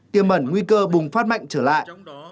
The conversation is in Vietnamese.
tiêm bẩn nguy cơ bùng phát mạnh trở lại